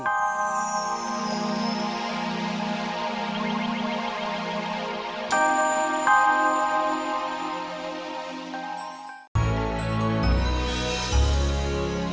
yang waktu lebaran anaknya kelolo dan dagi